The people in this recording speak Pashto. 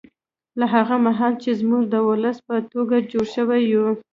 له هغه مهاله چې موږ د ولس په توګه جوړ شوي یو